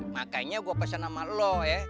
makanya gue pesen sama lo ya